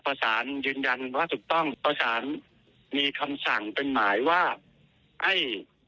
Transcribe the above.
สารยืนยันว่าถูกต้องประสานมีคำสั่งเป็นหมายว่าให้